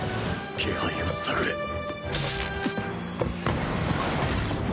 気配を探れ！